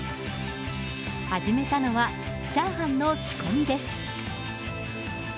始めたのはチャーハンの仕込みです。